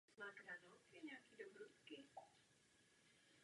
Označuje se tak podle ní i častá změna zaměstnání.